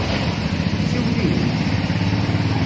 Siwel-iyi-d!